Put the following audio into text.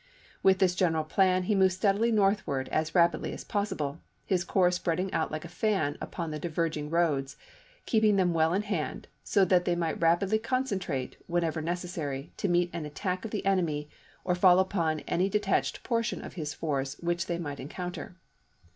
With this general plan he moved steadily northward as rapidly as possible, his corps spread out like a fan upon the diverging roads, keeping them well in hand, so that they might rapidly concentrate, whenever necessary, to meet an attack of the enemy or to fall upon any detached portion of his force which they might encounter.